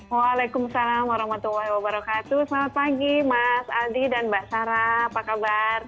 waalaikumsalam warahmatullahi wabarakatuh selamat pagi mas aldi dan mbak sarah apa kabar